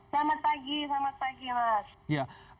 selamat pagi selamat pagi mas